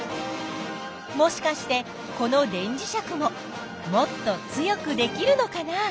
もしかしてこの電磁石ももっと強くできるのかな？